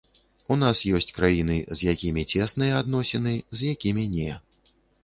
У нас ёсць краіны, з якімі цесныя адносіны, з якімі не.